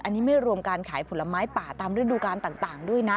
อันนี้ไม่รวมการขายผลไม้ป่าตามฤดูการต่างด้วยนะ